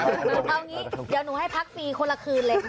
เอางี้เดี๋ยวหนูให้พักฟรีคนละคืนเลยค่ะ